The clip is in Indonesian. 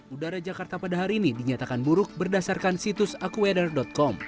udara jakarta pada hari ini dinyatakan buruk berdasarkan situs aquedar com